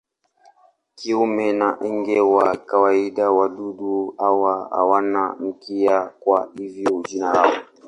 Kinyume na nge wa kawaida wadudu hawa hawana mkia, kwa hivyo jina lao.